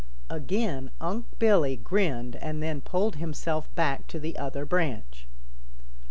Again Unc' Billy grinned and then pulled himself back to the other branch.